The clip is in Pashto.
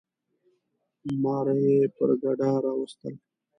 ماره یي پر ګډا راوستل.